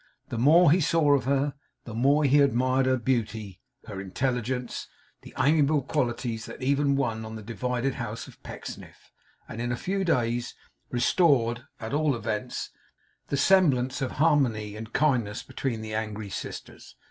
The more he saw of her, the more he admired her beauty, her intelligence, the amiable qualities that even won on the divided house of Pecksniff, and in a few days restored, at all events, the semblance of harmony and kindness between the angry sisters.